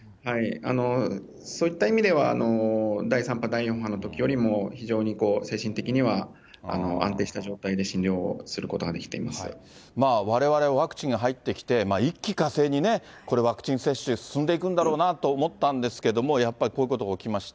そういった意味では、第３波、第４波のときよりも非常に精神的には安定した状態で診療することわれわれ、ワクチンが入ってきて、一気かせいにこれ、ワクチン接種進んでいくんだろうなと思ったんですけども、やっぱこういうことが起きました。